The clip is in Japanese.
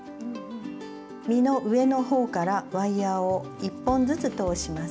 実の上のほうからワイヤーを１本ずつ通します。